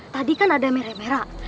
tadi kan ada mera mera